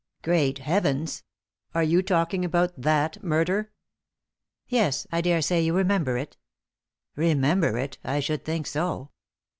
"Great Heavens! Are you talking about that murder?" "Yes, I daresay you remember it." "Remember it! I should think so.